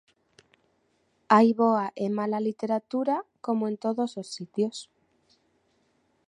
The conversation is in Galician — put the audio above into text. Hai boa e mala literatura como en todos os sitios.